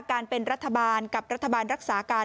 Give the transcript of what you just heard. การเป็นรัฐบาลกับรัฐบาลรักษาการ